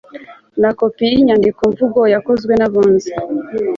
na kopi y inyandikomvugo yakozwe n Abunzi